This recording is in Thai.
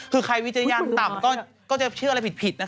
คือใครวิจารณญาณต่ำก็จะเชื่ออะไรผิดนะคะ